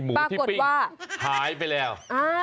หมูที่ปิ้งปรากฏว่าหายไปแล้ว